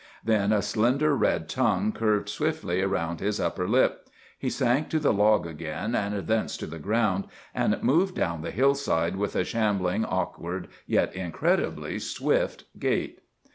Then a slender red tongue curved swiftly around his upper lip; he sank to the log again, and thence to the ground, and moved down the hillside with a shambling, awkward, yet incredibly swift gait.